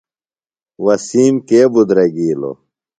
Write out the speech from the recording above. وسیم کے بدرَگِیلُوۡ؟